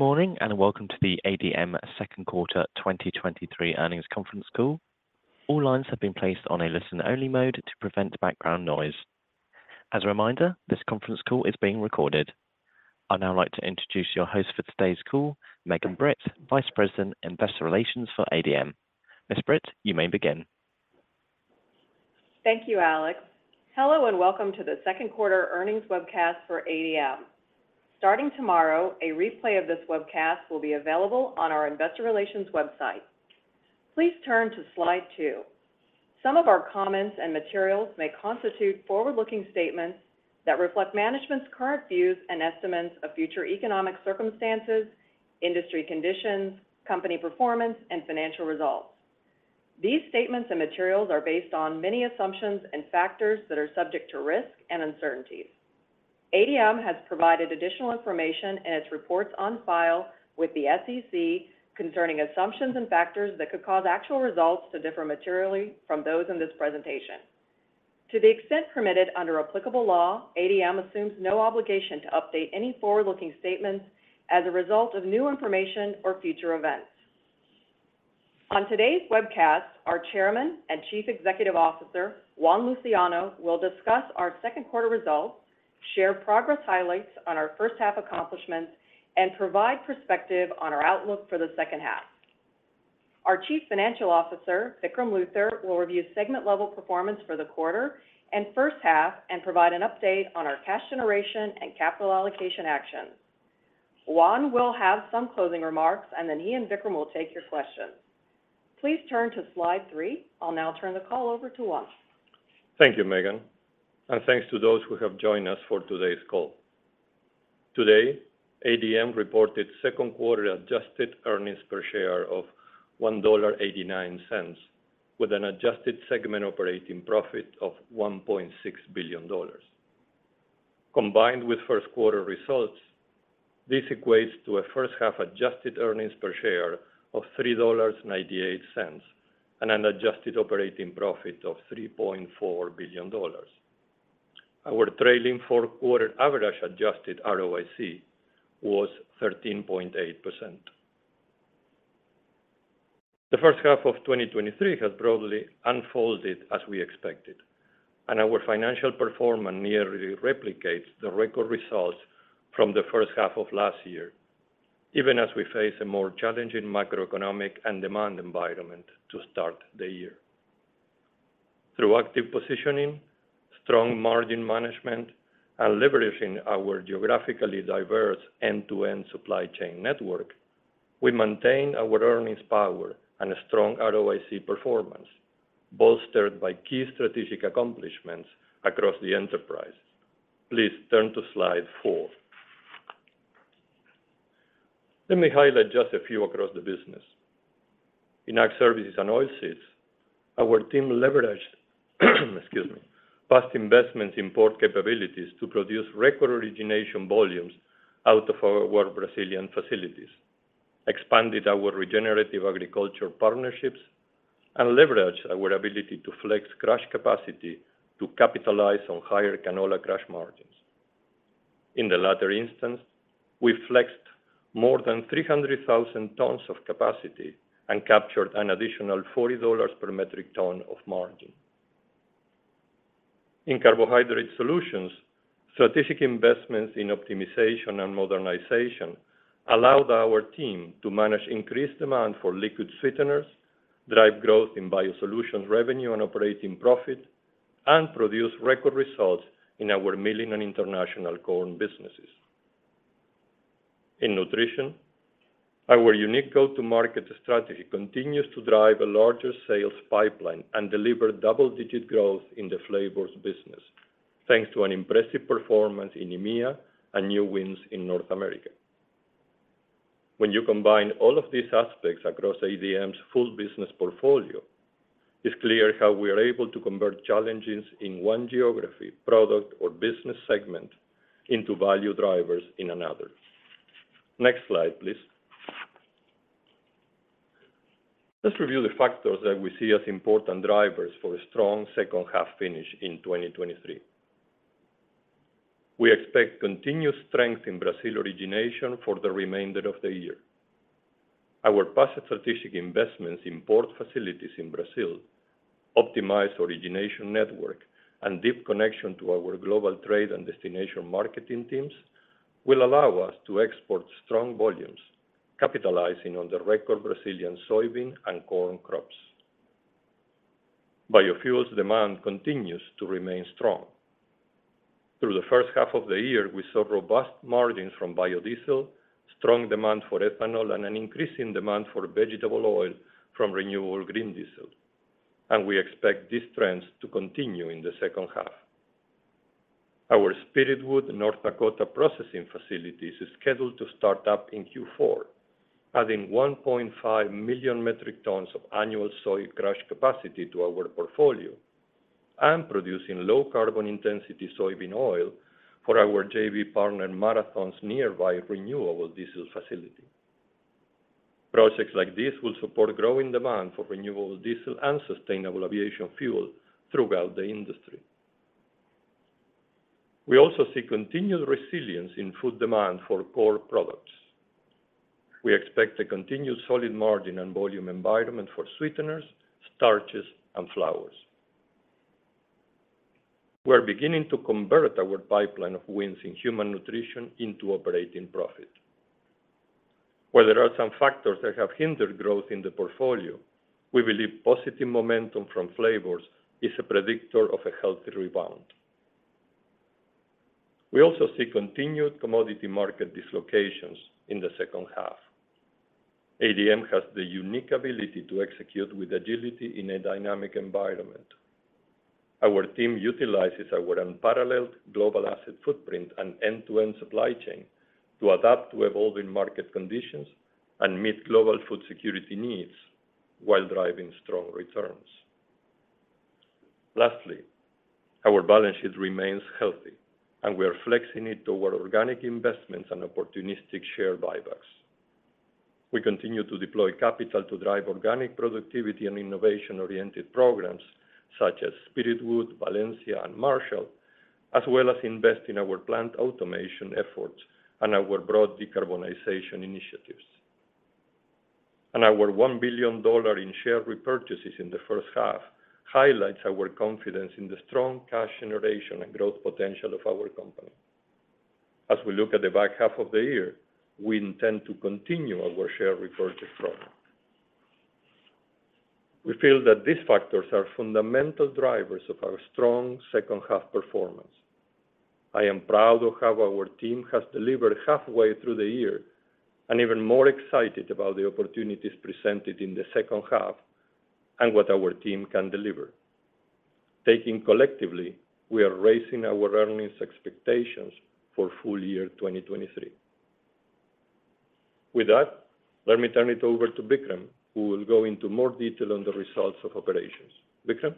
Good morning, and welcome to the ADM Second Quarter 2023 Earnings Conference Call. All lines have been placed on a listen-only mode to prevent background noise. As a reminder, this conference call is being recorded. I'd now like to introduce your host for today's call, Megan Britt, Vice President, Investor Relations for ADM. Ms. Britt, you may begin. Thank you, Alex. Hello, and welcome to the second quarter earnings webcast for ADM. Starting tomorrow, a replay of this webcast will be available on our investor relations website. Please turn to slide two. Some of our comments and materials may constitute forward-looking statements that reflect management's current views and estimates of future economic circumstances, industry conditions, company performance, and financial results. These statements and materials are based on many assumptions and factors that are subject to risk and uncertainties. ADM has provided additional information in its reports on file with the SEC concerning assumptions and factors that could cause actual results to differ materially from those in this presentation. To the extent permitted under applicable law, ADM assumes no obligation to update any forward-looking statements as a result of new information or future events. On today's webcast, our Chairman and Chief Executive Officer, Juan Luciano, will discuss our second quarter results, share progress highlights on our first half accomplishments, and provide perspective on our outlook for the second half. Our Chief Financial Officer, Vikram Luthar, will review segment-level performance for the quarter and first half, and provide an update on our cash generation and capital allocation actions. Juan will have some closing remarks, and then he and Vikram will take your questions. Please turn to slide three. I'll now turn the call over to Juan. Thank you, Megan. Thanks to those who have joined us for today's call. Today, ADM reported second quarter adjusted earnings per share of $1.89, with an adjusted segment operating profit of $1.6 billion. Combined with first quarter results, this equates to a first-half adjusted earnings per share of $3.88, and an adjusted operating profit of $3.4 billion. Our trailing four-quarter average adjusted ROIC was 13.8%. The first half of 2023 has broadly unfolded as we expected, and our financial performance nearly replicates the record results from the first half of last year, even as we face a more challenging macroeconomic and demand environment to start the year. Through active positioning, strong margin management, and leveraging our geographically diverse end-to-end supply chain network, we maintain our earnings power and a strong ROIC performance, bolstered by key strategic accomplishments across the enterprise. Please turn to slide 4. Let me highlight just a few across the business. In our services and oilseeds, our team leveraged, excuse me, past investments in port capabilities to produce record origination volumes out of our world Brazilian facilities, expanded our regenerative agriculture partnerships, and leveraged our ability to flex crush capacity to capitalize on higher canola crush margins. In the latter instance, we flexed more than 300,000 tons of capacity and captured an additional $40 per metric ton of margin. In Carbohydrate Solutions, strategic investments in optimization and modernization allowed our team to manage increased demand for liquid sweeteners, drive growth in biosolutions revenue and operating profit, and produce record results in our milling and international corn businesses. In nutrition, our unique go-to-market strategy continues to drive a larger sales pipeline and deliver double-digit growth in the flavors business, thanks to an impressive performance in EMEA and new wins in North America. When you combine all of these aspects across ADM's full business portfolio, it's clear how we are able to convert challenges in one geography, product, or business segment into value drivers in another. Next slide, please. Let's review the factors that we see as important drivers for a strong second half finish in 2023. We expect continued strength in Brazil origination for the remainder of the year. Our past strategic investments in port facilities in Brazil, optimized origination network, and deep connection to our global trade and destination marketing teams will allow us to export strong volumes, capitalizing on the record Brazilian soybean and corn crops. Biofuels demand continues to remain strong. Through the first half of the year, we saw robust margins from biodiesel, strong demand for ethanol, and an increase in demand for vegetable oil from renewable diesel. We expect these trends to continue in the second half. Our Spiritwood, North Dakota, processing facilities is scheduled to start up in Q4, adding 1.5 million metric tons of annual soy crush capacity to our portfolio and producing low carbon intensity soybean oil for our JV partner, Marathon's, nearby renewable diesel facility. Projects like this will support growing demand for renewable diesel and sustainable aviation fuel throughout the industry. We also see continued resilience in food demand for core products. We expect a continued solid margin and volume environment for sweeteners, starches, and flours. We are beginning to convert our pipeline of wins in human nutrition into operating profit. Where there are some factors that have hindered growth in the portfolio, we believe positive momentum from flavors is a predictor of a healthy rebound. We also see continued commodity market dislocations in the second half. ADM has the unique ability to execute with agility in a dynamic environment. Our team utilizes our unparalleled global asset footprint and end-to-end supply chain to adapt to evolving market conditions and meet global food security needs while driving strong returns. Lastly, our balance sheet remains healthy, and we are flexing it toward organic investments and opportunistic share buybacks. We continue to deploy capital to drive organic productivity and innovation-oriented programs such as Spiritwood, Valencia, and Marshall, as well as invest in our plant automation efforts and our broad decarbonization initiatives. Our $1 billion in share repurchases in the first half highlights our confidence in the strong cash generation and growth potential of our company. As we look at the back half of the year, we intend to continue our share repurchase program. We feel that these factors are fundamental drivers of our strong second half performance. I am proud of how our team has delivered halfway through the year, and even more excited about the opportunities presented in the second half and what our team can deliver. Taking collectively, we are raising our earnings expectations for full year 2023. With that, let me turn it over to Vikram, who will go into more detail on the results of operations. Vikram?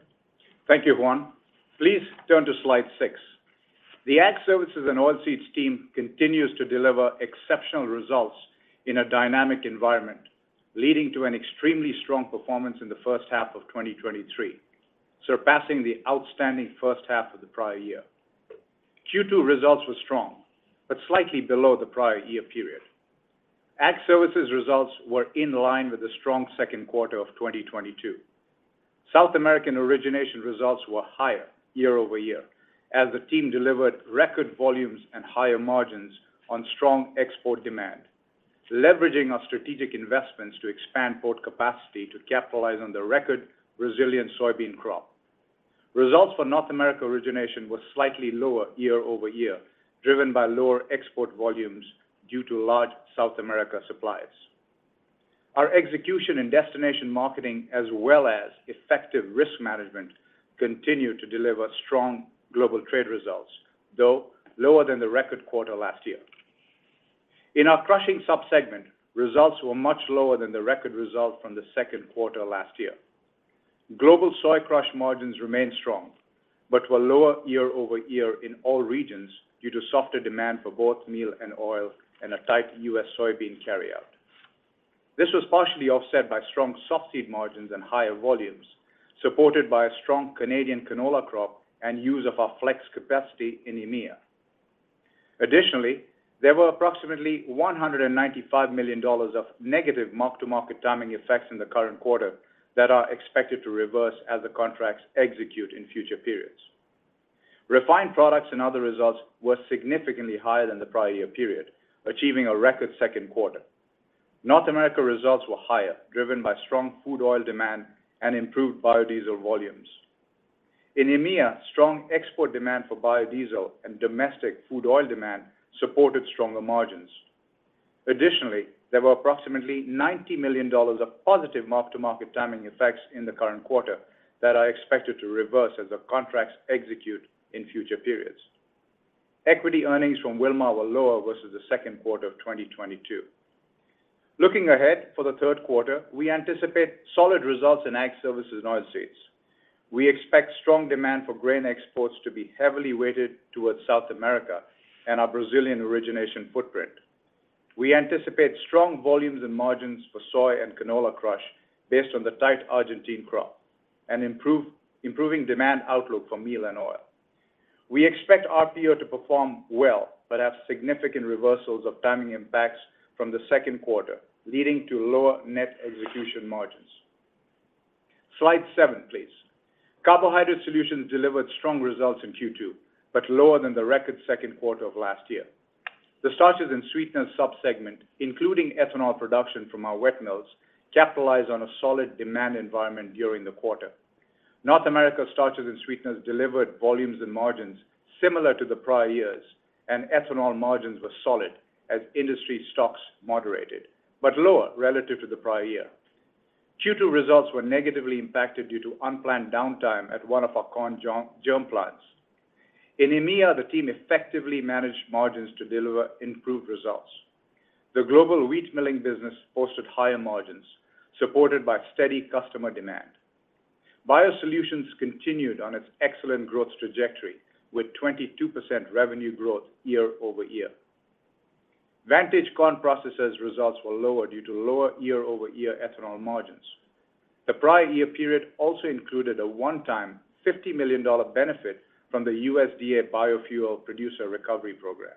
Thank you, Juan. Please turn to slide 6. The Ag Services and Oilseeds team continues to deliver exceptional results in a dynamic environment, leading to an extremely strong performance in the first half of 2023, surpassing the outstanding first half of the prior year. Q2 results were strong, slightly below the prior year period. Ag Services results were in line with the strong second quarter of 2022. South American origination results were higher year-over-year, as the team delivered record volumes and higher margins on strong export demand, leveraging our strategic investments to expand port capacity to capitalize on the record Brazilian soybean crop. Results for North America origination were slightly lower year-over-year, driven by lower export volumes due to large South America supplies. Our execution and destination marketing, as well as effective risk management, continued to deliver strong global trade results, though lower than the record quarter last year. In our crushing sub-segment, results were much lower than the record result from the second quarter last year. Global soy crush margins remained strong, but were lower year-over-year in all regions due to softer demand for both meal and oil, and a tight U.S. soybean carryout. This was partially offset by strong soft seed margins and higher volumes, supported by a strong Canadian canola crop and use of our flex capacity in EMEA. Additionally, there were approximately $195 million of negative mark-to-market timing effects in the current quarter that are expected to reverse as the contracts execute in future periods. Refined Products and Other results were significantly higher than the prior year period, achieving a record second quarter. North America results were higher, driven by strong food oil demand and improved biodiesel volumes. In EMEA, strong export demand for biodiesel and domestic food oil demand supported stronger margins. Additionally, there were approximately $90 million of positive mark-to-market timing effects in the current quarter that are expected to reverse as the contracts execute in future periods. Equity earnings from Wilmar were lower versus the second quarter of 2022. Looking ahead, for the third quarter, we anticipate solid results in Ag Services and Oilseeds. We expect strong demand for grain exports to be heavily weighted towards South America and our Brazilian origination footprint. We anticipate strong volumes and margins for soy and canola crush based on the tight Argentine crop, improving demand outlook for meal and oil. We expect RPO to perform well, but have significant reversals of timing impacts from the second quarter, leading to lower net execution margins. Slide 7, please. Carbohydrate Solutions delivered strong results in Q2, but lower than the record second quarter of last year. The Starches and Sweeteners sub-segment, including ethanol production from our wet mills, capitalized on a solid demand environment during the quarter. North America Starches and Sweeteners delivered volumes and margins similar to the prior years, and ethanol margins were solid as industry stocks moderated, but lower relative to the prior year. Q2 results were negatively impacted due to unplanned downtime at one of our corn germ plants. In EMEA, the team effectively managed margins to deliver improved results. The global wheat milling business posted higher margins, supported by steady customer demand. Biosolutions continued on its excellent growth trajectory, with 22% revenue growth year-over-year. Vantage Corn Processors' results were lower due to lower year-over-year ethanol margins. The prior year period also included a one-time $50 million benefit from the USDA Biofuel Producer Program.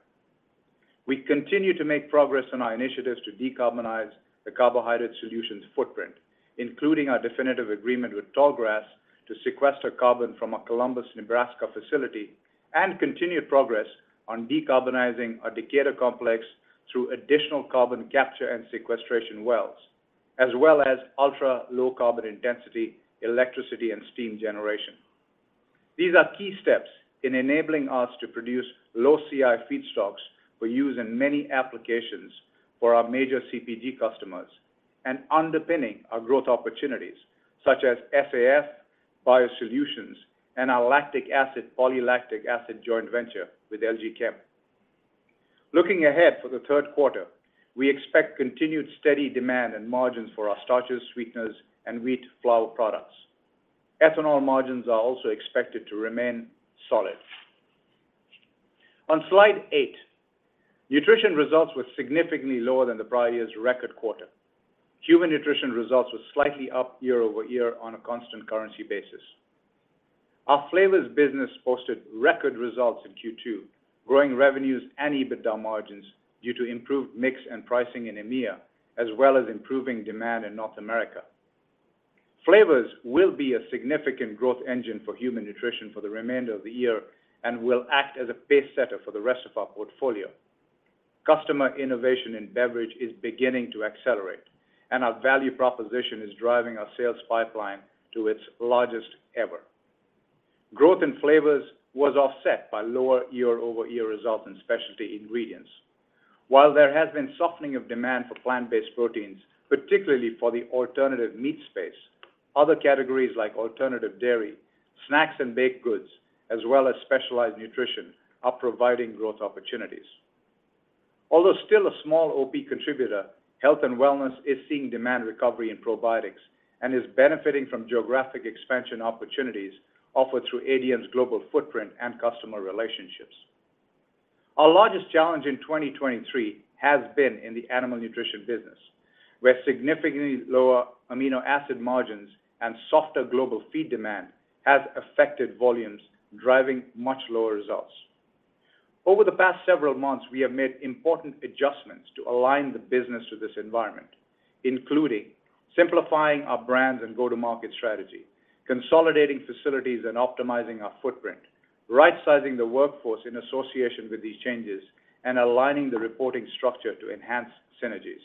We continue to make progress on our initiatives to decarbonize the carbohydrate solutions footprint, including our definitive agreement with Tallgrass to sequester carbon from our Columbus, Nebraska facility, and continued progress on decarbonizing our Decatur complex through additional carbon capture and sequestration wells, as well as ultra-low carbon intensity, electricity, and steam generation. These are key steps in enabling us to produce low CI feedstocks for use in many applications for our major CPG customers and underpinning our growth opportunities, such as SAF, biosolutions, and our lactic acid, polylactic acid joint venture with LG Chem. Looking ahead for the third quarter, we expect continued steady demand and margins for our starches, sweeteners, and wheat flour products. Ethanol margins are also expected to remain solid. On Slide eight, nutrition results were significantly lower than the prior year's record quarter. Human nutrition results were slightly up year-over-year on a constant currency basis. Our flavors business posted record results in Q2, growing revenues and EBITDA margins due to improved mix and pricing in EMEA, as well as improving demand in North America. Flavors will be a significant growth engine for human nutrition for the remainder of the year and will act as a pace setter for the rest of our portfolio. Customer innovation in beverage is beginning to accelerate. Our value proposition is driving our sales pipeline to its largest ever. Growth in flavors was offset by lower year-over-year results in specialty ingredients. While there has been softening of demand for plant-based proteins, particularly for the alternative meat space, other categories like alternative dairy, snacks and baked goods, as well as specialized nutrition, are providing growth opportunities. Although still a small OP contributor, health and wellness is seeing demand recovery in probiotics and is benefiting from geographic expansion opportunities offered through ADM's global footprint and customer relationships. Our largest challenge in 2023 has been in the animal nutrition business, where significantly lower amino acid margins and softer global feed demand has affected volumes, driving much lower results. Over the past several months, we have made important adjustments to align the business with this environment, including simplifying our brands and go-to-market strategy, consolidating facilities and optimizing our footprint, right-sizing the workforce in association with these changes, and aligning the reporting structure to enhance synergies.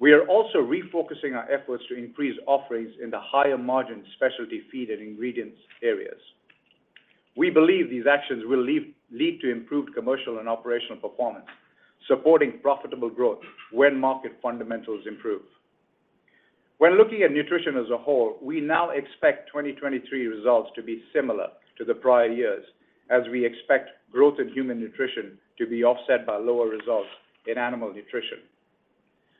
We are also refocusing our efforts to increase offerings in the higher-margin specialty feed and ingredients areas. We believe these actions will lead to improved commercial and operational performance, supporting profitable growth when market fundamentals improve. When looking at nutrition as a whole, we now expect 2023 results to be similar to the prior years' as we expect growth in human nutrition to be offset by lower results in animal nutrition.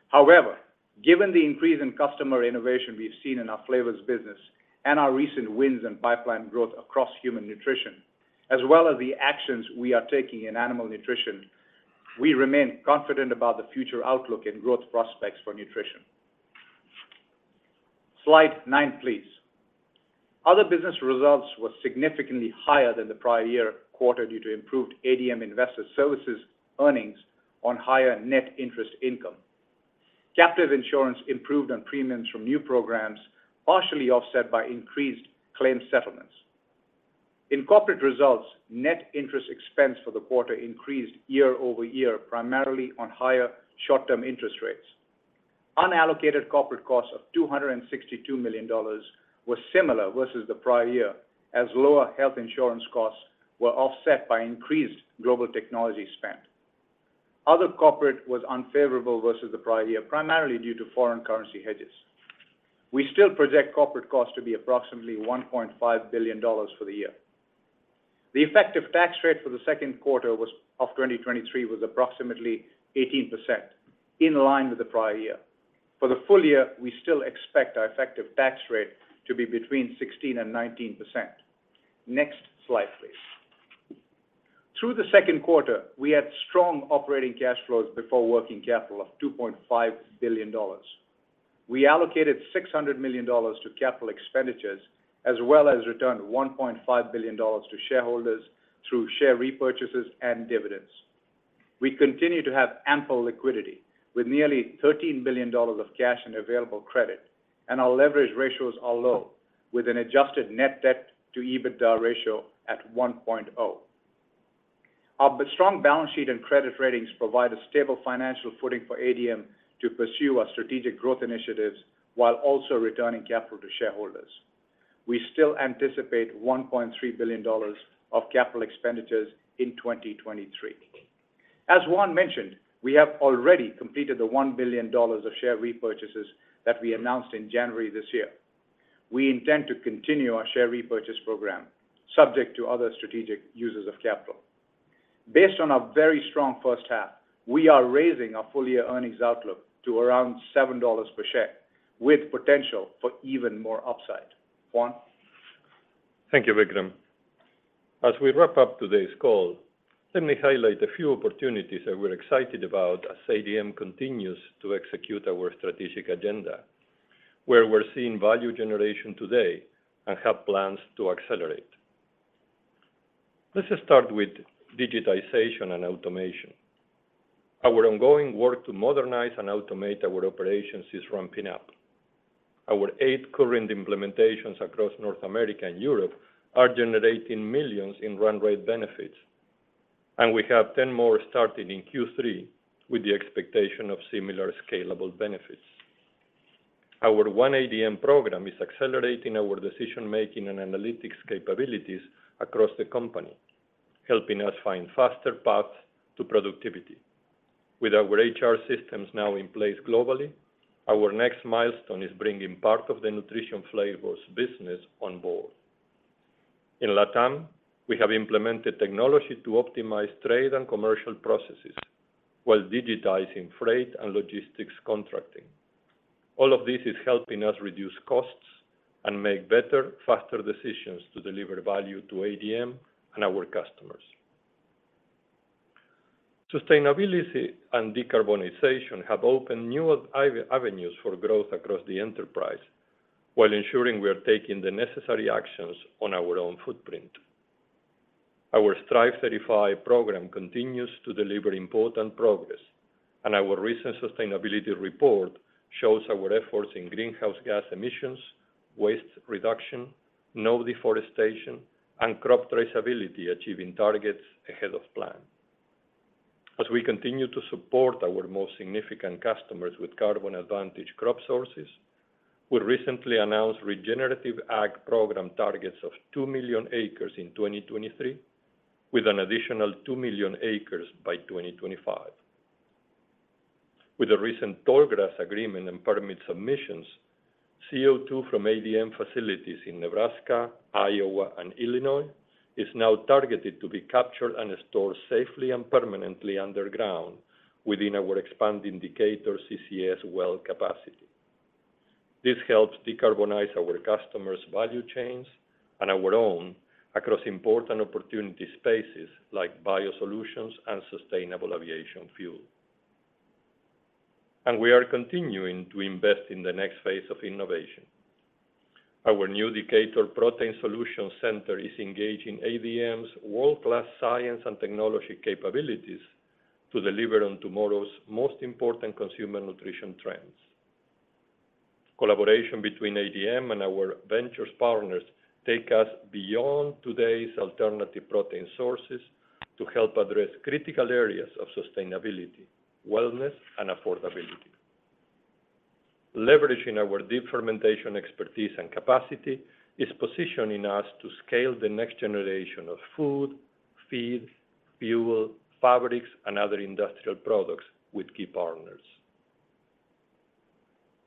However, given the increase in customer innovation we've seen in our flavors business and our recent wins and pipeline growth across human nutrition, as well as the actions we are taking in animal nutrition, we remain confident about the future outlook and growth prospects for nutrition. Slide 9, please. Other business results were significantly higher than the prior year quarter due to improved ADM Investor Services earnings on higher net interest income. Captive insurance improved on premiums from new programs, partially offset by increased claim settlements. Corporate results, net interest expense for the quarter increased year-over-year, primarily on higher short-term interest rates. Unallocated corporate costs of $262 million was similar versus the prior year, as lower health insurance costs were offset by increased global technology spend. Other corporate was unfavorable versus the prior year, primarily due to foreign currency hedges. We still project corporate costs to be approximately $1.5 billion for the year. The effective tax rate for the second quarter of 2023 was approximately 18%, in line with the prior year. For the full year, we still expect our effective tax rate to be between 16% and 19%. Next slide, please. Through the second quarter, we had strong operating cash flows before working capital of $2.5 billion. We allocated $600 million to capital expenditures, as well as returned $1.5 billion to shareholders through share repurchases and dividends. We continue to have ample liquidity, with nearly $13 billion of cash and available credit, and our leverage ratios are low, with an adjusted net debt to EBITDA ratio at 1.0. Our strong balance sheet and credit ratings provide a stable financial footing for ADM to pursue our strategic growth initiatives while also returning capital to shareholders. We still anticipate $1.3 billion of capital expenditures in 2023. As Juan mentioned, we have already completed the $1 billion of share repurchases that we announced in January this year. We intend to continue our share repurchase program, subject to other strategic uses of capital. Based on our very strong first half, we are raising our full-year earnings outlook to around $7 per share, with potential for even more upside. Juan? Thank you, Vikram. As we wrap up today's call, let me highlight a few opportunities that we're excited about as ADM continues to execute our strategic agenda, where we're seeing value generation today and have plans to accelerate. Let's just start with digitization and automation. Our ongoing work to modernize and automate our operations is ramping up. Our 8 current implementations across North America and Europe are generating millions in run rate benefits, and we have 10 more starting in Q3 with the expectation of similar scalable benefits. Our 1ADM program is accelerating our decision-making and analytics capabilities across the company, helping us find faster paths to productivity. With our HR systems now in place globally, our next milestone is bringing part of the Nutrition Flavors business on board. In Latam, we have implemented technology to optimize trade and commercial processes while digitizing freight and logistics contracting. All of this is helping us reduce costs and make better, faster decisions to deliver value to ADM and our customers. Sustainability and decarbonization have opened new avenues for growth across the enterprise, while ensuring we are taking the necessary actions on our own footprint. Our Strive 35 program continues to deliver important progress, and our recent sustainability report shows our efforts in greenhouse gas emissions, waste reduction, no deforestation, and crop traceability, achieving targets ahead of plan. As we continue to support our most significant customers with carbon advantage crop sources, we recently announced regenerative ag program targets of 2 million acres in 2023, with an additional 2 million acres by 2025. With the recent Tallgrass agreement and permit submissions, CO2 from ADM facilities in Nebraska, Iowa, and Illinois is now targeted to be captured and stored safely and permanently underground within our expanding Decatur CCS well capacity. This helps decarbonize our customers' value chains and our own across important opportunity spaces like biosolutions and sustainable aviation fuel. We are continuing to invest in the next phase of innovation. Our new Decatur Protein Solution Center is engaging ADM's world-class science and technology capabilities to deliver on tomorrow's most important consumer nutrition trends. Collaboration between ADM and our ventures partners take us beyond today's alternative protein sources to help address critical areas of sustainability, wellness, and affordability. Leveraging our deep fermentation expertise and capacity is positioning us to scale the next generation of food, feed, fuel, fabrics, and other industrial products with key partners.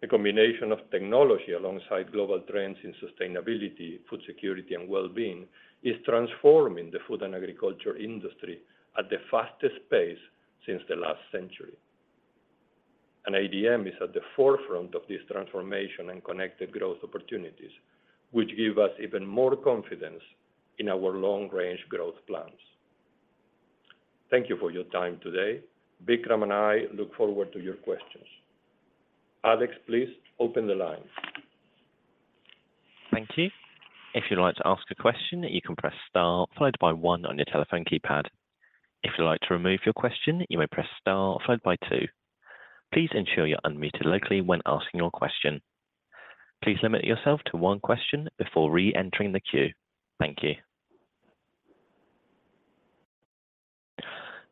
A combination of technology alongside global trends in sustainability, food security, and well-being is transforming the food and agriculture industry at the fastest pace since the last century. ADM is at the forefront of this transformation and connected growth opportunities, which give us even more confidence in our long-range growth plans. Thank you for your time today. Vikram and I look forward to your questions. Alex, please open the line. Thank you. If you'd like to ask a question, you can press Star, followed by 1 on your telephone keypad. If you'd like to remove your question, you may press Star followed by 2. Please ensure you're unmuted locally when asking your question. Please limit yourself to 1 question before reentering the queue. Thank you.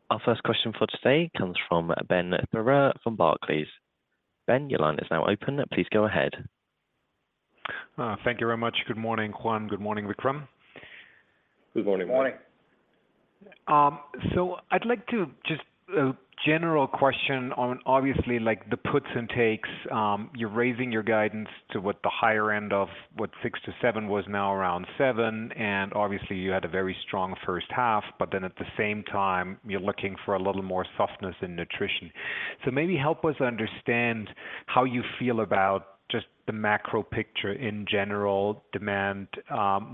Our first question for today comes from Ben Theurer from Barclays. Ben, your line is now open. Please go ahead. Thank you very much. Good morning, Juan. Good morning, Vikram. Good morning. Good morning. I'd like to Just a general question on obviously, like, the puts and takes. You're raising your guidance to what the higher end of 6-7 was now around 7, obviously you had a very strong first half, at the same time, you're looking for a little more softness in nutrition. Maybe help us understand how you feel about just the macro picture in general, demand,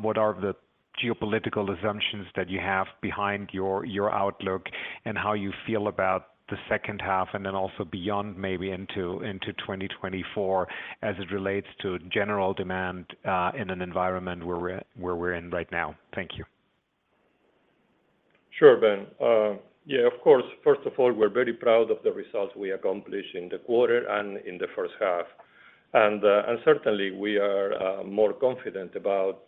what are the geopolitical assumptions that you have behind your outlook and how you feel about the second half, also beyond, maybe into 2024, as it relates to general demand, in an environment where we're in right now? Thank you. Sure, Ben. Yeah, of course. First of all, we're very proud of the results we accomplished in the quarter and in the first half. Certainly, we are more confident about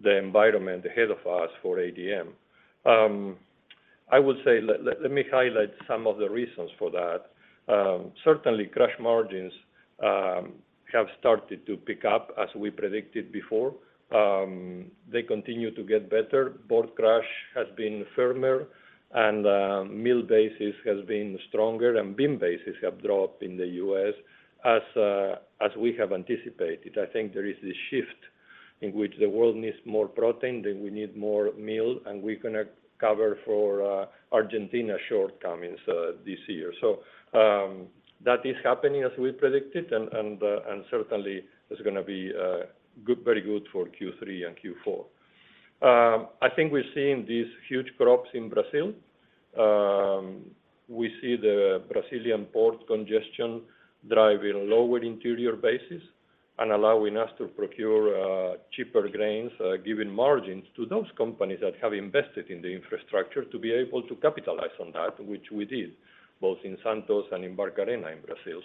the environment ahead of us for ADM. I would say, let me highlight some of the reasons for that. Certainly, crush margins have started to pick up, as we predicted before. They continue to get better. Board crush has been firmer, and mill basis has been stronger, and bean basis have dropped in the U.S. as we have anticipated. I think there is this shift in which the world needs more protein, then we need more meal, and we're going to cover for Argentina shortcomings this year. That is happening as we predicted and certainly is going to be good, very good for Q3 and Q4. I think we're seeing these huge crops in Brazil. We see the Brazilian port congestion driving lower interior basis and allowing us to procure cheaper grains, giving margins to those companies that have invested in the infrastructure to be able to capitalize on that, which we did, both in Santos and in Barcarena, in Brazil.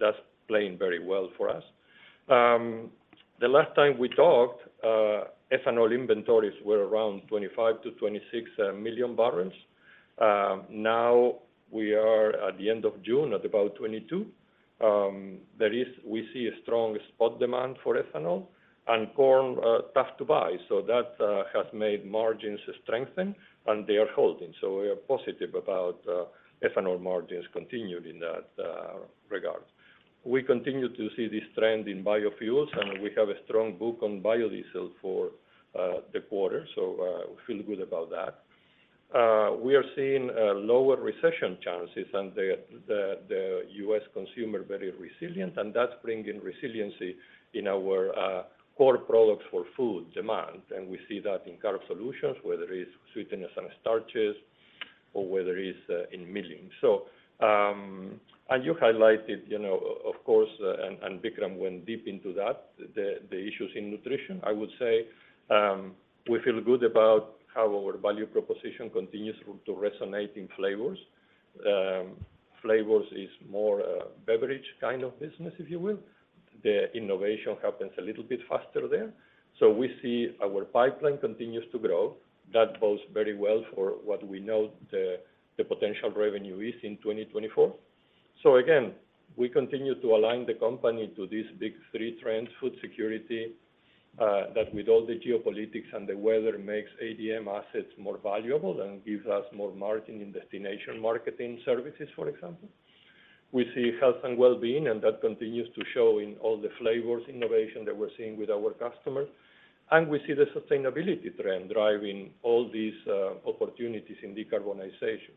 That's playing very well for us. The last time we talked, ethanol inventories were around 25 to 26 million barrels. Now we are at the end of June at about 22. We see a strong spot demand for ethanol and corn, tough to buy. That has made margins strengthen, and they are holding. We are positive about ethanol margins continued in that regard. We continue to see this trend in biofuels, and we have a strong book on biodiesel for the quarter, so we feel good about that. We are seeing lower recession chances and the U.S. consumer, very resilient, and that's bringing resiliency in our core products for food demand. We see that in carb solutions, whether it's sweeteners and starches or whether it's in milling. You highlighted, you know, of course, and Vikram went deep into that, the issues in nutrition. I would say, we feel good about how our value proposition continues to resonate in flavors. Flavors is more a beverage kind of business, if you will. The innovation happens a little bit faster there. We see our pipeline continues to grow. That bodes very well for what we know the potential revenue is in 2024. Again, we continue to align the company to these big three trends, food security, that with all the geopolitics and the weather, makes ADM assets more valuable and gives us more margin in destination marketing services, for example. We see health and well-being, and that continues to show in all the flavors innovation that we're seeing with our customers. We see the sustainability trend driving all these opportunities in decarbonization.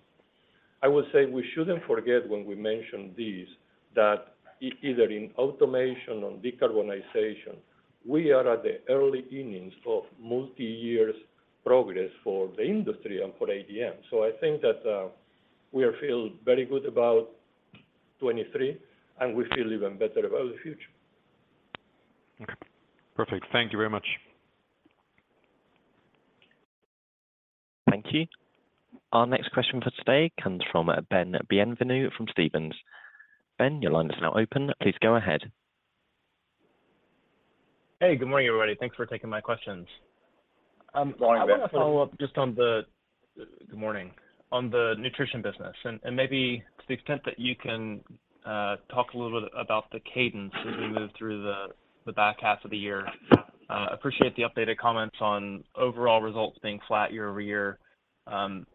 I would say we shouldn't forget, when we mention this, that either in automation or decarbonization, we are at the early innings of multi-years progress for the industry and for ADM. I think that, we are feel very good about 2023, and we feel even better about the future. Okay, perfect. Thank you very much. Thank you. Our next question for today comes from Ben Bienvenu, from Stephens. Ben, your line is now open. Please go ahead. Hey, good morning, everybody. Thanks for taking my questions. Good morning, Ben. Good morning. On the nutrition business, and maybe to the extent that you can talk a little bit about the cadence as we move through the back half of the year. Appreciate the updated comments on overall results being flat year-over-year. You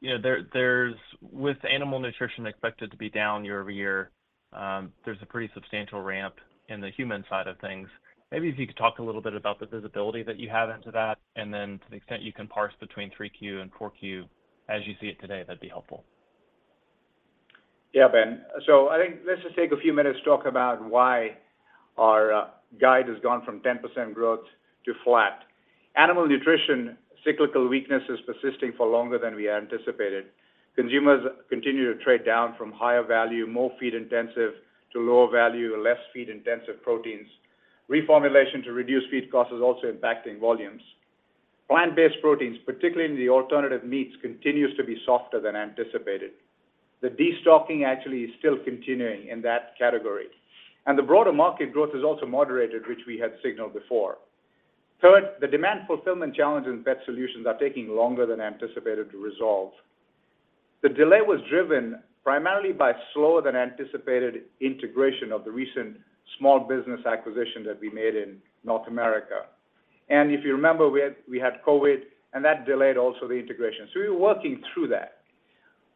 know, there's with animal nutrition expected to be down year-over-year, there's a pretty substantial ramp in the human side of things. Maybe if you could talk a little bit about the visibility that you have into that, and then to the extent you can parse between 3Q and 4Q, as you see it today, that'd be helpful. Ben. I think let's just take a few minutes to talk about why our guide has gone from 10% growth to flat. Animal Nutrition, cyclical weakness is persisting for longer than we anticipated. Consumers continue to trade down from higher value, more feed intensive, to lower value, less feed intensive proteins. Reformulation to reduce feed costs is also impacting volumes. Plant-based proteins, particularly in the alternative meats, continues to be softer than anticipated. The destocking actually is still continuing in that category, and the broader market growth has also moderated, which we had signaled before. Third, the demand fulfillment challenge and Pet Solutions are taking longer than anticipated to resolve. The delay was driven primarily by slower than anticipated integration of the recent small business acquisition that we made in North America. If you remember, we had COVID, and that delayed also the integration. We're working through that.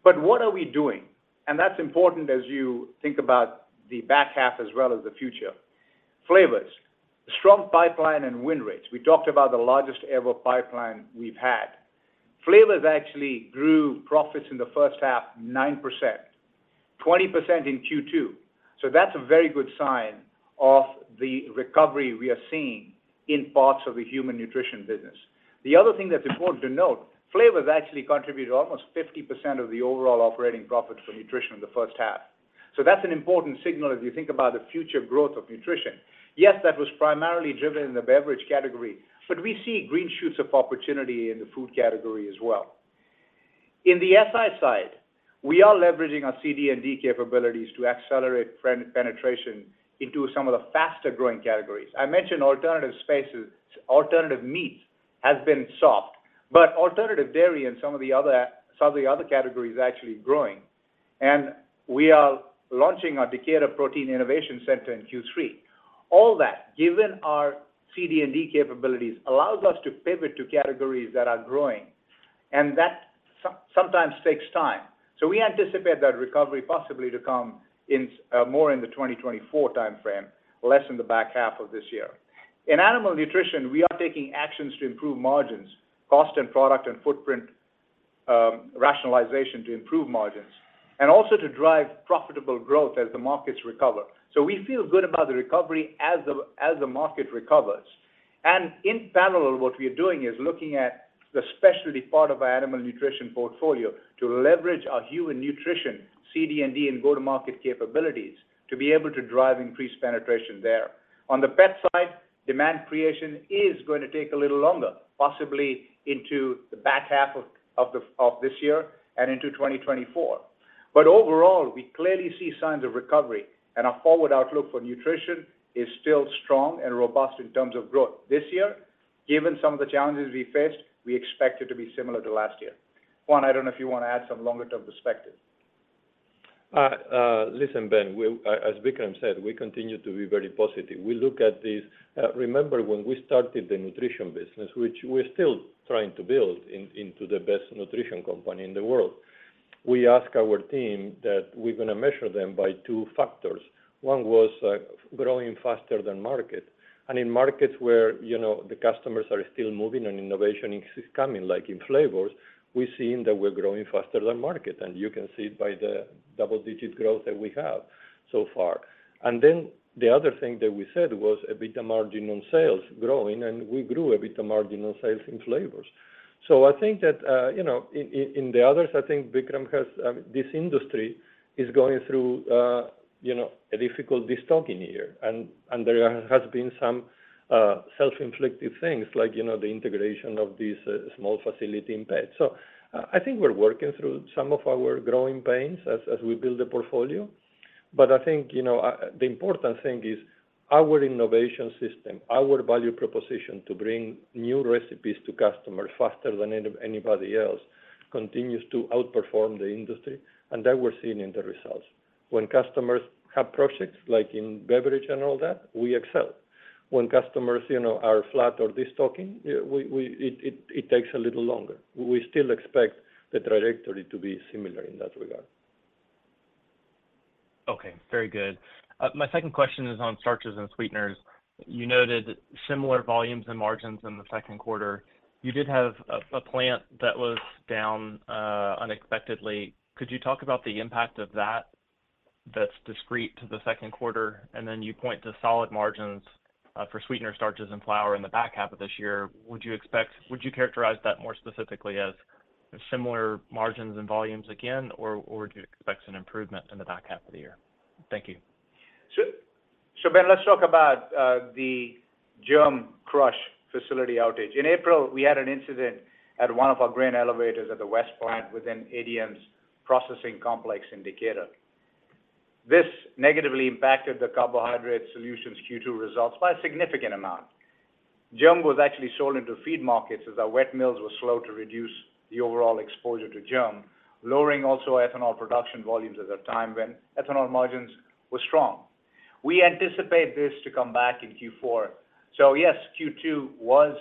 What are we doing? That's important as you think about the back half as well as the future. Flavors, strong pipeline and win rates. We talked about the largest ever pipeline we've had. Flavors actually grew profits in the first half, 9%, 20% in Q2. That's a very good sign of the recovery we are seeing in parts of the human nutrition business. The other thing that's important to note, flavors actually contributed almost 50% of the overall operating profit for nutrition in the first half. That's an important signal as you think about the future growth of nutrition. Yes, that was primarily driven in the beverage category, but we see green shoots of opportunity in the food category as well. In the SI side, we are leveraging our CD&D capabilities to accelerate penetration into some of the faster-growing categories. I mentioned alternative spaces. Alternative meat has been soft, but alternative dairy and some of the other categories are actually growing. We are launching our Decatur Protein Solution Center in Q3. All that, given our CD&D capabilities, allows us to pivot to categories that are growing, and that sometimes takes time. We anticipate that recovery possibly to come in more in the 2024 timeframe, less in the back half of this year. In Animal Nutrition, we are taking actions to improve margins, cost and product and footprint. rationalization to improve margins, and also to drive profitable growth as the markets recover. We feel good about the recovery as the market recovers. In parallel, what we are doing is looking at the specialty part of our animal nutrition portfolio to leverage our human nutrition, CD&D, and go-to-market capabilities to be able to drive increased penetration there. On the pet side, demand creation is going to take a little longer, possibly into the back half of this year and into 2024. Overall, we clearly see signs of recovery, and our forward outlook for nutrition is still strong and robust in terms of growth. This year, given some of the challenges we faced, we expect it to be similar to last year. Juan, I don't know if you want to add some longer-term perspective. Listen, Ben, as Vikram said, we continue to be very positive. We look at this. Remember, when we started the nutrition business, which we're still trying to build in, into the best nutrition company in the world, we asked our team that we're going to measure them by two factors. One was, growing faster than market. In markets where, you know, the customers are still moving and innovation is coming, like in flavors, we're seeing that we're growing faster than market, and you can see it by the double-digit growth that we have so far. Then the other thing that we said was EBITDA margin on sales growing, and we grew EBITDA margin on sales in flavors. I think that, you know, in, in the others, I think Vikram has. This industry is going through, you know, a difficult destocking year. There has been some self-inflicted things like, you know, the integration of this small facility in pets. I think we're working through some of our growing pains as we build the portfolio. I think, you know, the important thing is our innovation system, our value proposition to bring new recipes to customers faster than anybody else, continues to outperform the industry, and that we're seeing in the results. When customers have projects, like in beverage and all that, we excel. When customers, you know, are flat or destocking, it takes a little longer. We still expect the trajectory to be similar in that regard. Okay, very good. My second question is on starches and sweeteners. You noted similar volumes and margins in the second quarter. You did have a plant that was down unexpectedly. Could you talk about the impact of that's discrete to the second quarter? Then you point to solid margins for sweetener, starches, and flour in the back half of this year. Would you characterize that more specifically as similar margins and volumes again, or do you expect an improvement in the back half of the year? Thank you. Ben, let's talk about the germ crush facility outage. In April, we had an incident at one of our grain elevators at the West Plant within ADM's processing complex in Decatur. This negatively impacted the Carbohydrate Solutions Q2 results by a significant amount. Germ was actually sold into feed markets as our wet mills were slow to reduce the overall exposure to germ, lowering also ethanol production volumes at a time when ethanol margins were strong. We anticipate this to come back in Q4. Yes, Q2 was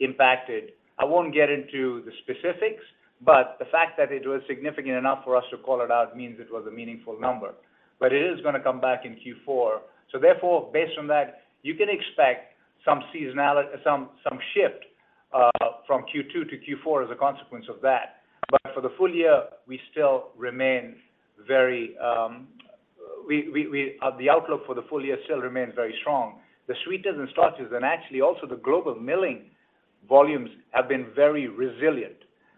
impacted. I won't get into the specifics, the fact that it was significant enough for us to call it out means it was a meaningful number. It is going to come back in Q4. Therefore, based on that, you can expect some seasonality, some shift from Q2 to Q4 as a consequence of that. For the full year, the outlook for the full year still remains very strong. The sweeteners and starches, and actually also the global milling volumes, have been very resilient.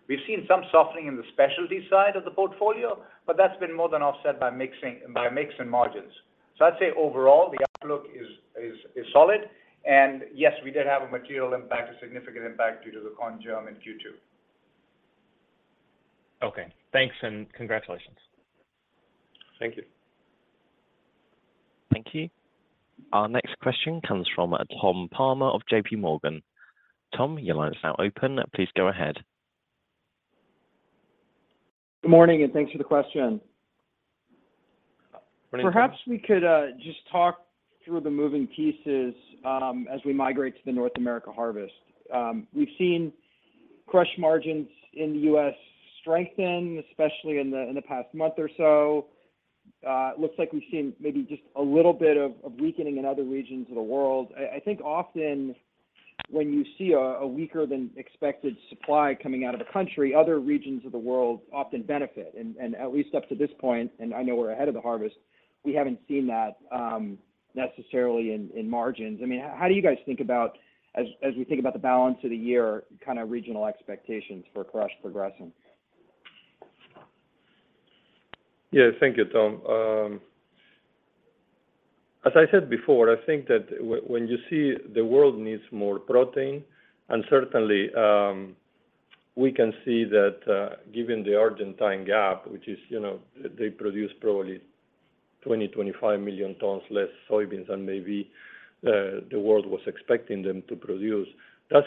We've seen some softening in the specialty side of the portfolio, but that's been more than offset by mixing, by mix and margins. I'd say overall, the outlook is solid. Yes, we did have a material impact, a significant impact due to the corn germ in Q2. Okay, thanks, and congratulations. Thank you. Thank you. Our next question comes from Tom Palmer of JP Morgan. Tom, your line is now open. Please go ahead. Good morning, and thanks for the question. Good morning. Perhaps we could just talk through the moving pieces as we migrate to the North America harvest. We've seen crush margins in the U.S. strengthen, especially in the past month or so. It looks like we've seen maybe just a little bit of weakening in other regions of the world. I think often when you see a weaker-than-expected supply coming out of a country, other regions of the world often benefit. At least up to this point, and I know we're ahead of the harvest, we haven't seen that necessarily in margins. I mean, how do you guys think about, as we think about the balance of the year, kind of regional expectations for crush progressing? Yeah. Thank you, Tom. As I said before, I think that when you see the world needs more protein, and certainly, we can see that, given the Argentine gap, which is, you know, they produce probably 20, 25 million tons less soybeans than maybe the world was expecting them to produce. That's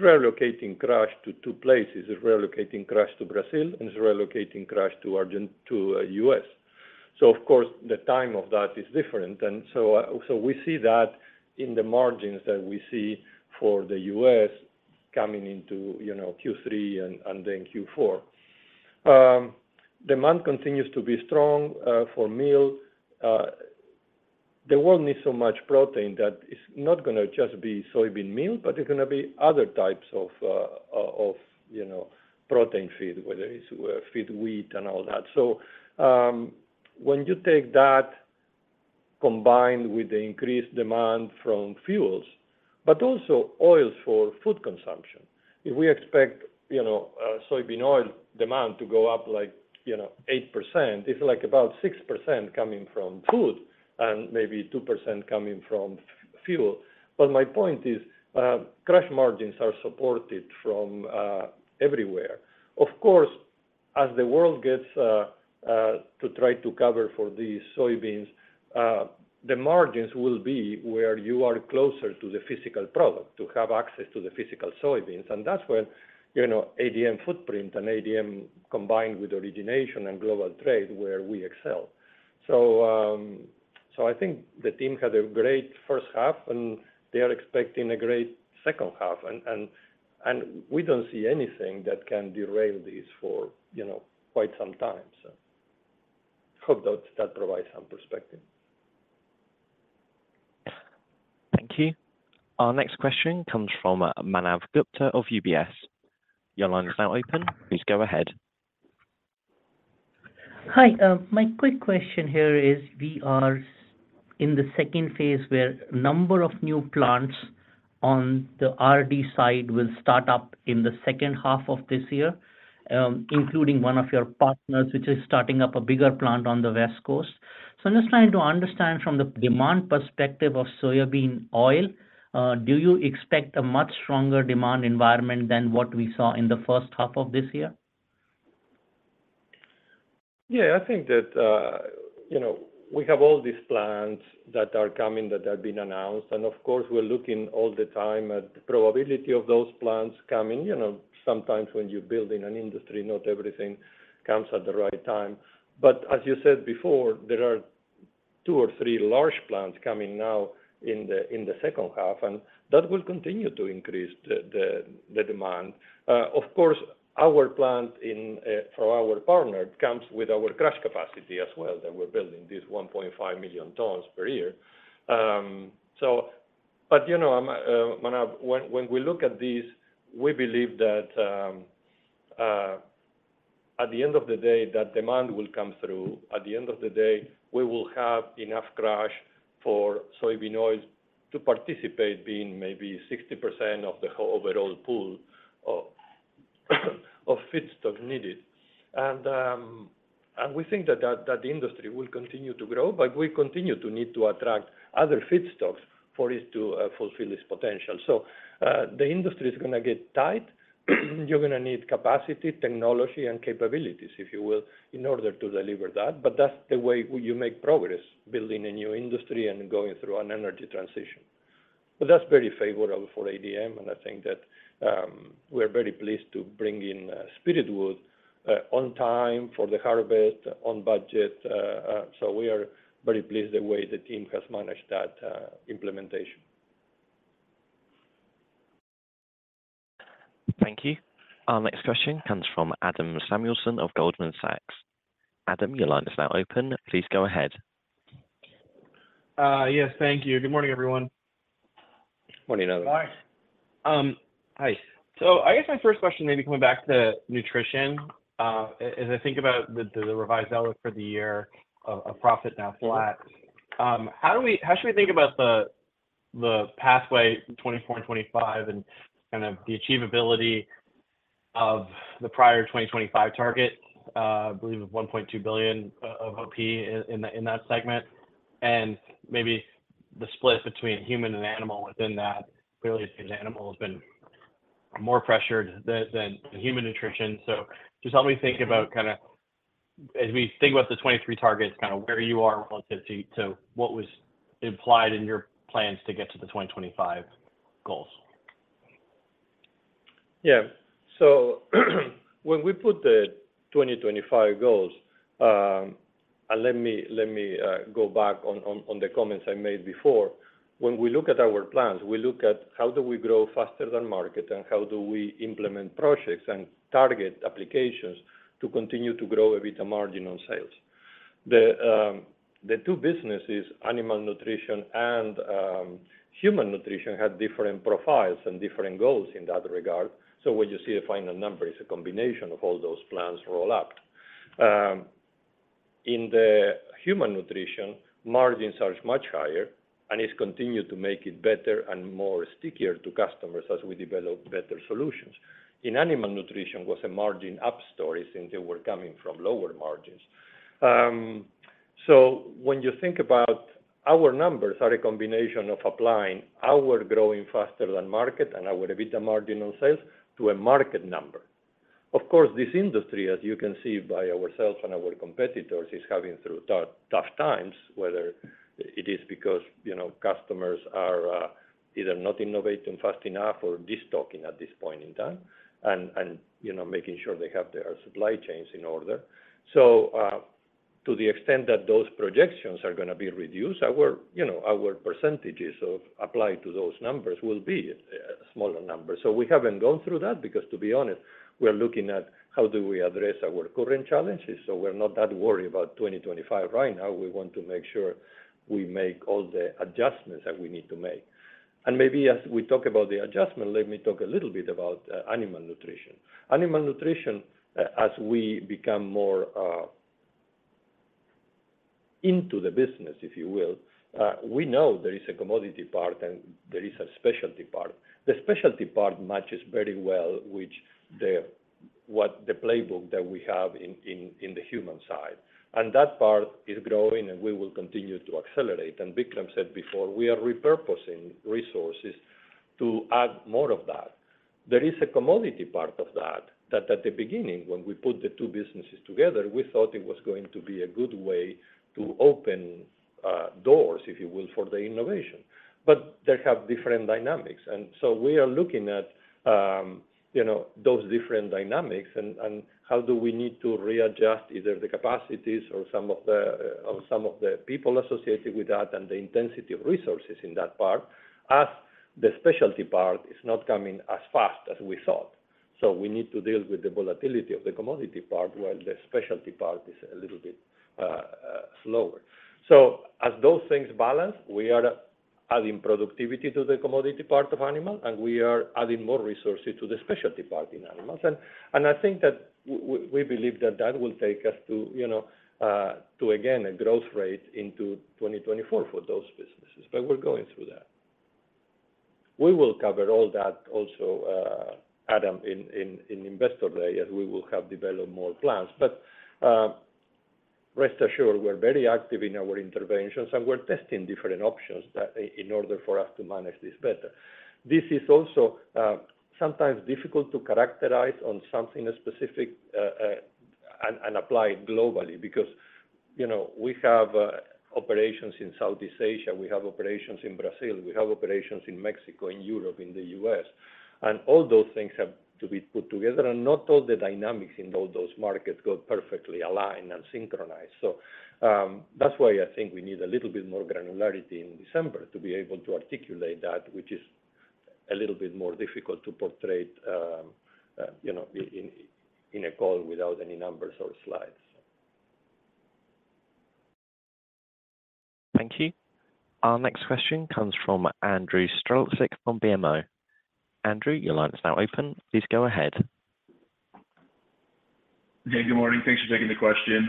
relocating crush. It's relocating crush to two places. It's relocating crush to Brazil, and it's relocating crush to U.S. Of course, the time of that is different. So we see that in the margins that we see for the U.S. coming into, you know, Q3 and then Q4. Demand continues to be strong for meal. the world needs so much protein that is not going to just be soybean meal, but it's going to be other types of, you know, protein feed, whether it's feed wheat and all that. When you take that, combined with the increased demand from fuels, but also oils for food consumption, if we expect, you know, soybean oil demand to go up, like, you know, 8%, it's like about 6% coming from food and maybe 2% coming from fuel. My point is, crush margins are supported from everywhere. Of course, as the world gets to try to cover for these soybeans, the margins will be where you are closer to the physical product, to have access to the physical soybeans. That's where, you know, ADM footprint and ADM, combined with origination and global trade, where we excel. I think the team had a great first half, and they are expecting a great second half. We don't see anything that can derail this for, you know, quite some time. Hope that that provides some perspective. Thank you. Our next question comes from Manav Gupta of UBS. Your line is now open. Please go ahead. Hi, my quick question here is, we are in the second phase, where number of new plants on the RD side will start up in the second half of this year, including one of your partners, which is starting up a bigger plant on the West Coast. I'm just trying to understand from the demand perspective of soybean oil, do you expect a much stronger demand environment than what we saw in the first half of this year? Yeah, I think that, you know, we have all these plans that are coming, that have been announced, and of course, we're looking all the time at the probability of those plans coming. You know, sometimes when you're building an industry, not everything comes at the right time. As you said before, there are two or three large plants coming now in the, in the second half, and that will continue to increase the demand. Of course, our plant in, for our partner, comes with our crush capacity as well, that we're building this 1.5 million tons per year. You know, when we look at this, we believe that, at the end of the day, that demand will come through. At the end of the day, we will have enough crush for soybean oil to participate, being maybe 60% of the whole overall pool of feedstock needed. We think that that industry will continue to grow, but we continue to need to attract other feedstocks for it to fulfill its potential. The industry is going to get tight. You're going to need capacity, technology, and capabilities, if you will, in order to deliver that. That's the way you make progress, building a new industry and going through an energy transition. That's very favorable for ADM, and I think that we're very pleased to bring in Spiritwood on time for the harvest, on budget. We are very pleased the way the team has managed that implementation. Thank you. Our next question comes from Adam Samuelson of Goldman Sachs. Adam, your line is now open. Please go ahead. Yes, thank you. Good morning, everyone. Morning, Adam. Hi. Hi. I guess my first question may be coming back to nutrition. As I think about the revised outlook for the year of profit now flat, how should we think about the pathway in 2024 and 2025, and kind of the achievability of the prior 2025 target? I believe it was $1.2 billion of OP in that segment, and maybe the split between human and animal within that. Clearly, animal has been more pressured than human nutrition. Just help me think about as we think about the 2023 targets, kind of where you are relative to what was implied in your plans to get to the 2025 goals. When we put the 2025 goals, and let me go back on the comments I made before. When we look at our plans, we look at how do we grow faster than market, and how do we implement projects and target applications to continue to grow a bit of margin on sales. The two businesses, animal nutrition and human nutrition, have different profiles and different goals in that regard. When you see a final number, it's a combination of all those plans roll up. In the human nutrition, margins are much higher, and it's continued to make it better and more stickier to customers as we develop better solutions. In animal nutrition, was a margin-up story since they were coming from lower margins. When you think about our numbers, are a combination of applying our growing faster than market and our EBITDA margin on sales to a market number. Of course, this industry, as you can see by ourselves and our competitors, is having tough times, whether it is because, you know, customers are either not innovating fast enough or just talking at this point in time, and, you know, making sure they have their supply chains in order. To the extent that those projections are going to be reduced, our, you know, our % of applied to those numbers will be a smaller number. We haven't gone through that because to be honest, we are looking at how do we address our current challenges. We're not that worried about 2025 right now. We want to make sure we make all the adjustments that we need to make. Maybe as we talk about the adjustment, let me talk a little bit about Animal Nutrition. Animal Nutrition, as we become more into the business, if you will, we know there is a commodity part and there is a specialty part. The specialty part matches very well, which the, what the playbook that we have in, in the human side. That part is growing, and we will continue to accelerate. Vikram said before, we are repurposing resources to add more of that. There is a commodity part of that at the beginning, when we put the two businesses together, we thought it was going to be a good way to open doors, if you will, for the innovation. They have different dynamics. We are looking at, you know, those different dynamics and how do we need to readjust either the capacities or some of the people associated with that, and the intensity of resources in that part, as the specialty part is not coming as fast as we thought. We need to deal with the volatility of the commodity part, while the specialty part is a little bit slower. As those things balance, we are adding productivity to the commodity part of animal, and we are adding more resources to the specialty part in animals. I think that we believe that that will take us to, you know, to again, a growth rate into 2024 for those businesses, but we're going through that. We will cover all that also, Adam, in Investor Day, as we will have developed more plans. Rest assured, we're very active in our interventions, and we're testing different options that in order for us to manage this better. This is also sometimes difficult to characterize on something specific and apply it globally, because, you know, we have operations in Southeast Asia, we have operations in Brazil, we have operations in Mexico, in Europe, in the U.S., and all those things have to be put together, and not all the dynamics in all those markets go perfectly aligned and synchronized. That's why I think we need a little bit more granularity in December to be able to articulate that, which is a little bit more difficult to portray, you know, in a call without any numbers or slides. Thank you. Our next question comes from Andrew Strelzik from BMO. Andrew, your line is now open. Please go ahead. Yeah, good morning. Thanks for taking the question.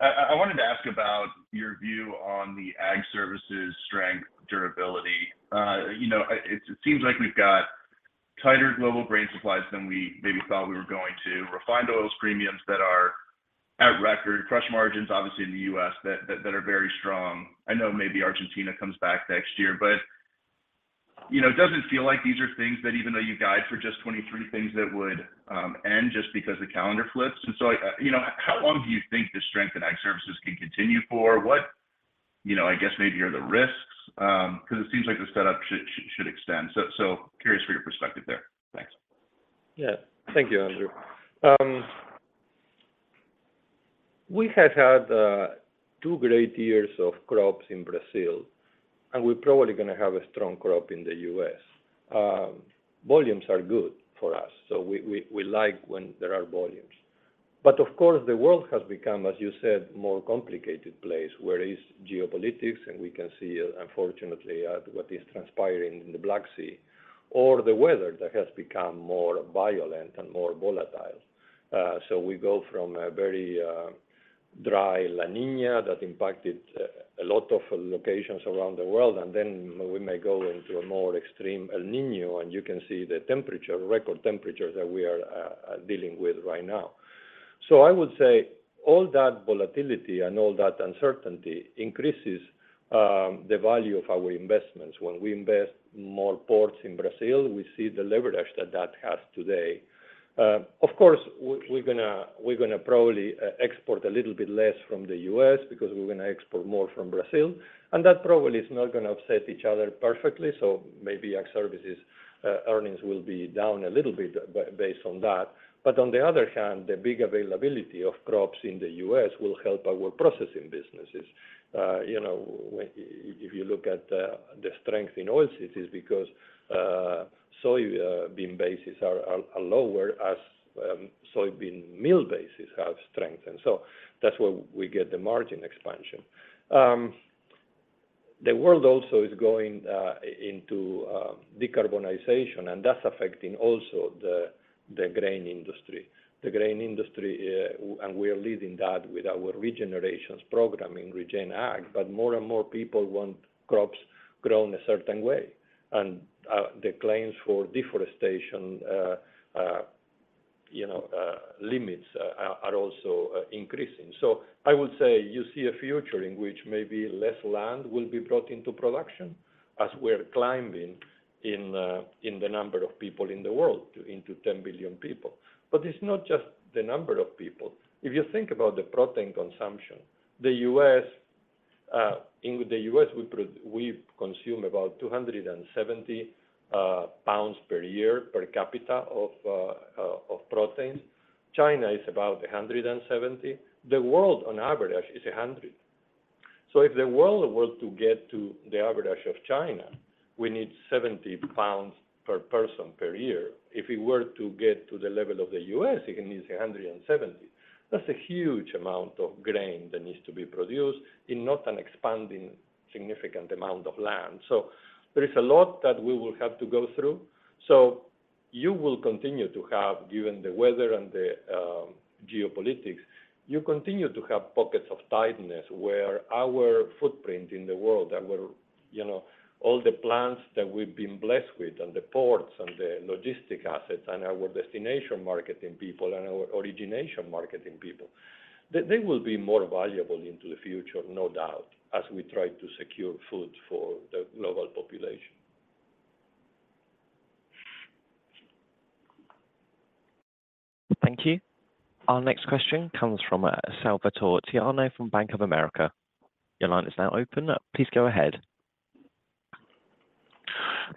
I wanted to ask about your view on the Ag Services strength, durability. You know, it seems like we've got tighter global grain supplies than we maybe thought we were going to. Refined oils premiums that are at record, crush margins, obviously in the U.S., that are very strong. I know maybe Argentina comes back next year, but, you know, it doesn't feel like these are things that even though you guide for just 23, things that would end just because the calendar flips. I, you know, how long do you think the strength in Ag Services can continue for? What, you know, I guess maybe are the risks? Because it seems like the setup should extend. Curious for your perspective there. Thanks. Thank you, Andrew. We have had two great years of crops in Brazil, and we're probably going to have a strong crop in the U.S. Volumes are good for us, we like when there are volumes. Of course, the world has become, as you said, more complicated place, where it is geopolitics, and we can see, unfortunately, what is transpiring in the Black Sea, or the weather that has become more violent and more volatile. We go from a very dry La Niña that impacted a lot of locations around the world, and then we may go into a more extreme El Niño, and you can see the temperature, record temperatures that we are dealing with right now. I would say all that volatility and all that uncertainty increases the value of our investments. When we invest more ports in Brazil, we see the leverage that that has today. Of course, we're going to probably export a little bit less from the U.S. because we're going to export more from Brazil, and that probably is not going to offset each other perfectly, so maybe Ag Services earnings will be down a little bit based on that. On the other hand, the big availability of crops in the U.S. will help our processing businesses. You know, if you look at the strength in oil, it is because soybean bases are lower as soybean meal bases have strengthened. That's where we get the margin expansion. The world also is going into decarbonization, and that's affecting also the grain industry. The grain industry, and we are leading that with our re:generations program in Regen Ag, but more and more people want crops grown a certain way. The claims for deforestation, you know, limits are also increasing. I would say you see a future in which maybe less land will be brought into production, as we're climbing in the number of people in the world, to into 10 billion people. It's not just the number of people. If you think about the protein consumption, the U.S., in the U.S., we consume about 270 pounds per year per capita of protein. China is about 170. The world on average is 100. If the world were to get to the average of China, we need 70 pounds per person per year. If it were to get to the level of the US, it going to need 170. That's a huge amount of grain that needs to be produced in not an expanding significant amount of land. There is a lot that we will have to go through. You will continue to have, given the weather and the geopolitics, you continue to have pockets of tightness where our footprint in the world, and where, you know, all the plants that we've been blessed with, and the ports, and the logistic assets, and our destination marketing people, and our origination marketing people, they will be more valuable into the future, no doubt, as we try to secure food for the global population. Thank you. Our next question comes from Salvator Tiano from Bank of America. Your line is now open. Please go ahead.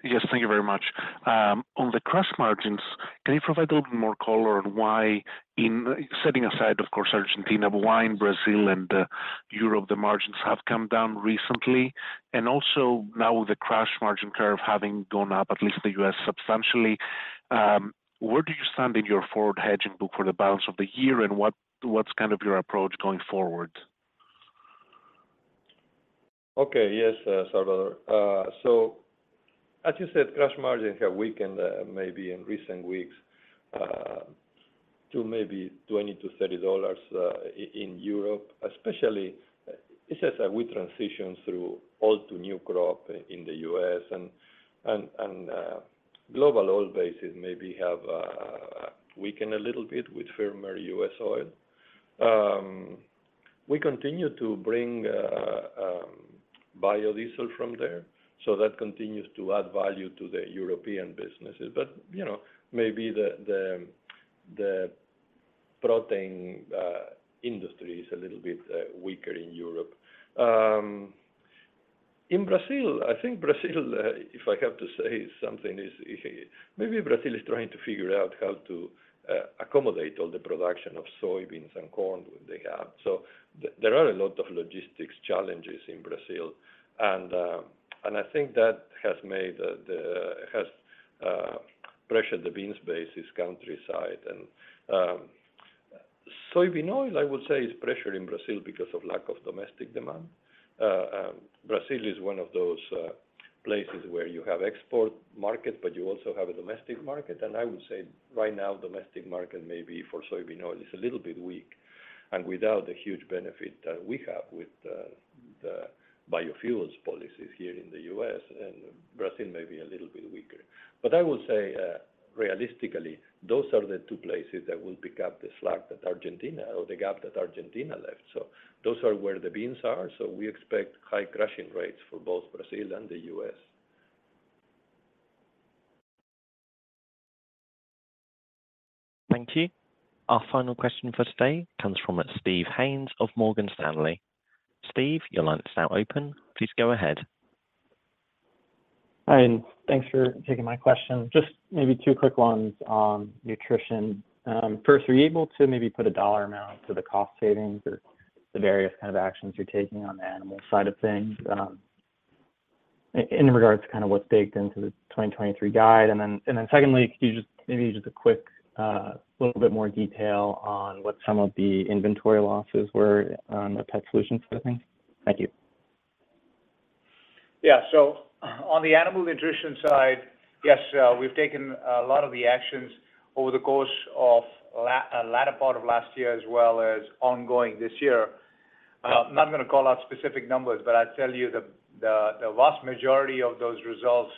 Yes, thank you very much. On the crush margins, can you provide a little bit more color on why in, setting aside, of course, Argentina, why in Brazil and Europe, the margins have come down recently? And also now the crush margin curve having gone up, at least in the U.S., substantially, where do you stand in your forward hedging book for the balance of the year, and what's kind of your approach going forward? Okay. Yes, Salvatore. As you said, crush margins have weakened, maybe in recent weeks, to maybe $20-$30 in Europe, especially, it's as we transition through old to new crop in the U.S. Global oil bases maybe have weakened a little bit with firmer U.S. oil. We continue to bring biodiesel from there, that continues to add value to the European businesses. You know, maybe the protein industry is a little bit weaker in Europe. In Brazil, I think Brazil, if I have to say something, is maybe Brazil is trying to figure out how to accommodate all the production of soybeans and corn they have. There are a lot of logistics challenges in Brazil. I think that pressured the beans basis countryside. Soybean oil, I would say, is pressured in Brazil because of lack of domestic demand. Brazil is one of those places where you have export market, but you also have a domestic market, and I would say right now, domestic market may be, for soybean oil, is a little bit weak. Without the huge benefit that we have with the biofuels policies here in the U.S., and Brazil may be a little bit weaker. I will say, realistically, those are the two places that will pick up the slack that Argentina, or the gap that Argentina left. Those are where the beans are, so we expect high crushing rates for both Brazil and the U.S. Thank you. Our final question for today comes from Steve Haynes of Morgan Stanley. Steve, your line is now open. Please go ahead. Hi, and thanks for taking my question. Just maybe 2 quick ones on nutrition. First, were you able to maybe put a dollar amount to the cost savings or the various kind of actions you're taking on the animal side of things, in regards to kind of what's baked into the 2023 guide? Secondly, could you just, maybe just a quick little bit more detail on what some of the inventory losses were on the Pet Solutions kind of thing? Thank you. Yeah. On the animal nutrition side, yes, we've taken a lot of the actions over the course of the latter part of last year, as well as ongoing this year. I'm not going to call out specific numbers, but I'll tell you the vast majority of those results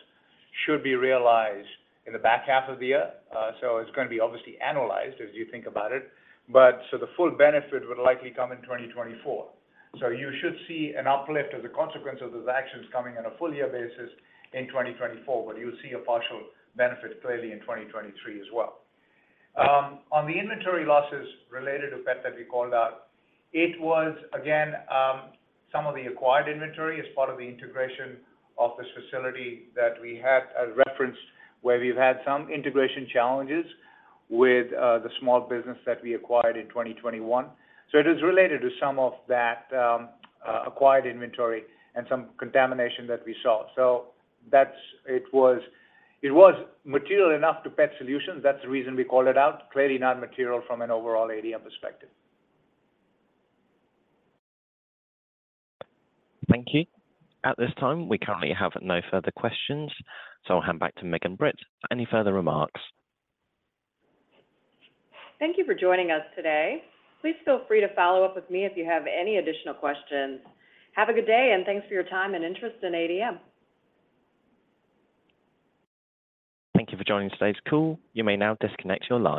should be realized in the back half of the year. It's going to be obviously analyzed as you think about it, but so the full benefit would likely come in 2024. You should see an uplift as a consequence of those actions coming on a full year basis in 2024, but you'll see a partial benefit clearly in 2023 as well. On the inventory losses related to Pet that we called out, it was, again, some of the acquired inventory as part of the integration of this facility that we had referenced, where we've had some integration challenges with the small business that we acquired in 2021. It is related to some of that acquired inventory and some contamination that we saw. It was material enough to Pet Solutions. That's the reason we called it out. Clearly not material from an overall ADM perspective. Thank you. At this time, we currently have no further questions, so I'll hand back to Meg and Britt for any further remarks. Thank you for joining us today. Please feel free to follow up with me if you have any additional questions. Have a good day, and thanks for your time and interest in ADM. Thank you for joining today's call. You may now disconnect your line.